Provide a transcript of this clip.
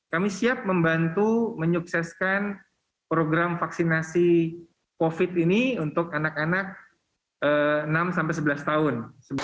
kami siap membantu menyukseskan program vaksinasi covid ini untuk anak anak enam sebelas tahun